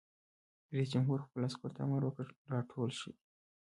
رئیس جمهور خپلو عسکرو ته امر وکړ؛ راټول شئ!